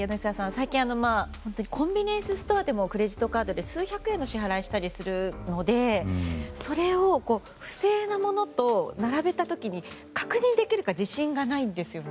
最近コンビニエンスストアでもクレジットカードで数百円の支払いをしたりするのでそれを不正なものと並べた時に確認できるか自信がないんですよね。